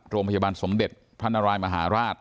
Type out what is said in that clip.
โรงพยาบาลสมเด็จพระนารายมหาราช